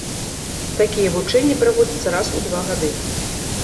Такія вучэнні праводзяцца раз у два гады.